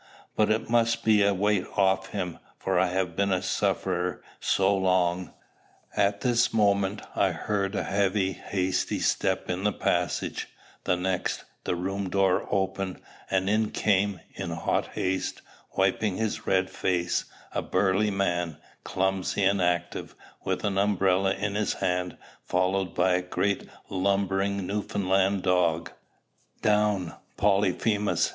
But it must be a weight off him, for I have been a sufferer so long!" At this moment I heard a heavy, hasty step in the passage; the next, the room door opened, and in came, in hot haste, wiping his red face, a burly man, clumsy and active, with an umbrella in his hand, followed by a great, lumbering Newfoundland dog. "Down, Polyphemus!"